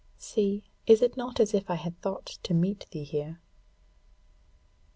See, is it not as if I had thought to meet thee here?"